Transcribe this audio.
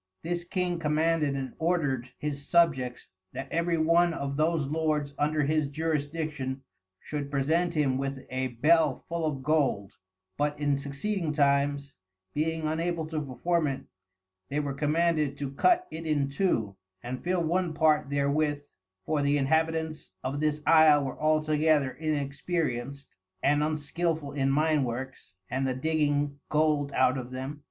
This King commanded and ordered his Subjects, that every one of those Lords under his Jurisdiction, should present him with a Bell full of Gold; but in succeeding times, being unable to perform it, they were commanded to cut it in two, and fill one part therewith, for the Inhabitants of this Isle were altogether inexperienced, and unskilful in Mine works, and the digging Gold out of them.